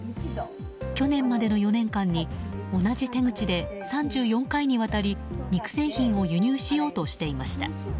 去年までの４年間に同じ手口で３４回にわたり肉製品を輸入しようとしていました。